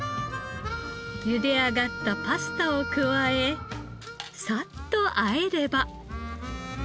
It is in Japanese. ゆで上がったパスタを加えサッとあえれば。